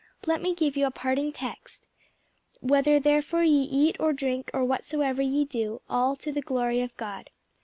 Let me give you a parting text, 'Whether therefore ye eat, or drink, or whatsoever ye do, do all to the glory of God.'